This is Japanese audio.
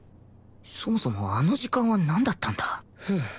そもそもあの時間はなんだったんだ？ふう。